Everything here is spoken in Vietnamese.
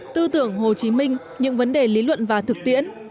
tư tưởng hồ chí minh những vấn đề lý luận và thực tiễn